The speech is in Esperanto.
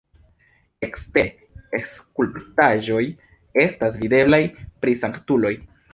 Ekstere skulptaĵoj estas videblaj pri sanktuloj.